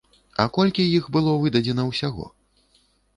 А колькі іх было выдадзена ўсяго?